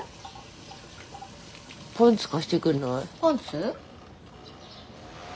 パンツ貸してくれない？